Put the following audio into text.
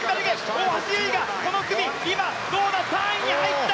大橋悠依がこの組今、３位に入った！